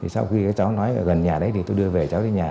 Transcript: sau khi cháu nói gần nhà đấy tôi đưa về cháu đến nhà